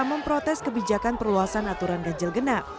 memprotes kebijakan perluasan aturan ganjil genap